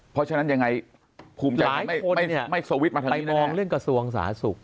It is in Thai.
เพราะฉะนั้นยังไงหลายคนเนี้ยไม่สวิตช์มาไปมองเรื่องกระทรวงสาธารณสุข